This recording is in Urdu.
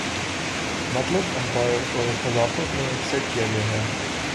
مطلب ایمپائر اور خلافت میں سیٹ کیا گیا ہے